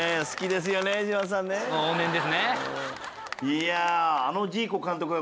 いや。